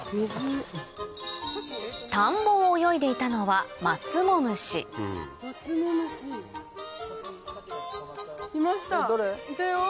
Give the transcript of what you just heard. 田んぼを泳いでいたのはいましたいたよ。